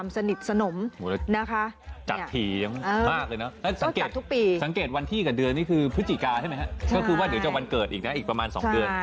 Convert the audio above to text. สังเกตวันที่กับเดือนนี่คือพฤศจิกาใช่มั้ยครับก็คือว่าเดอเดี๋ยวจะวันเกิดอีกนะอีกประมาณ๒เดือน